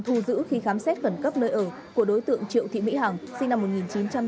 thu giữ khi khám xét khẩn cấp nơi ở của đối tượng triệu thị mỹ hằng sinh năm một nghìn chín trăm tám mươi